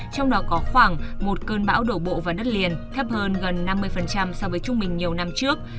trong đó có khoảng một cơn bão đổ bộ vào đất liền thấp hơn gần năm mươi so với trung bình nhiều năm trước